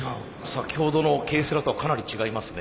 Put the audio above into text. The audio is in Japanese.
先ほどのＫセラとはかなり違いますね。